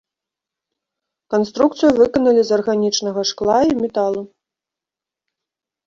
Канструкцыю выканалі з арганічнага шкла і металу.